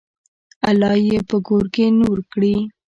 الله یې په ګور کې نور کړي.